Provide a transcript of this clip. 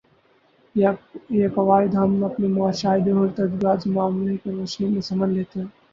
یہ قواعد ہم اپنے مشاہدے اور تجزیاتی مطالعے کی روشنی میں سمجھ لیتے ہیں